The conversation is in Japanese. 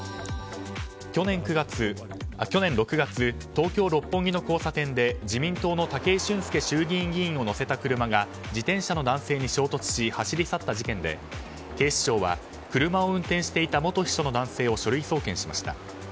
去年６月東京・六本木の交差点で自民党の武井俊輔衆議院議員を乗せた車が自転車の男性に衝突し走り去った事件で警視庁は車を運転していた元秘書の男性を書類送検しました。